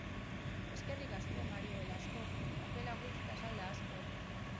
Eskerrik asko, Mari Belasko! Okela gutxi eta salda asko.